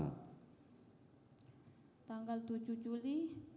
tanggal tujuh juli